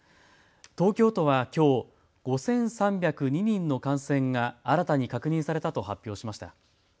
東京都はきょう５３０２人の感染が新たに確認されたと発表しました。